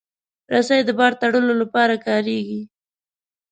رسۍ د بار تړلو لپاره کارېږي.